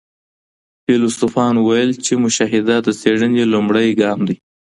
فيلسوفانو ويل چي مشاهده د څېړنې لومړی ګام دی.